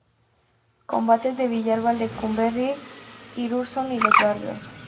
Combates de Villalba, Lecumberri, Irurzun y Los Barrios.